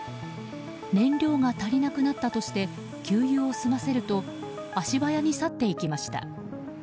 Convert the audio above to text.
燃料が足りなくなったとして給油を済ませると足早に去っていきました。